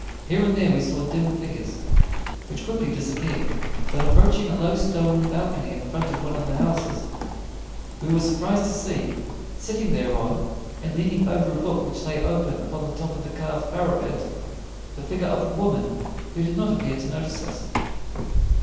Here and there we saw dim figures, which quickly disappeared; but, approaching a low stone balcony in front of one of the houses, we were surprised to see, sitting thereon and leaning over a book which lay open upon the top of the carved parapet, the figure of a woman who did not appear to notice us.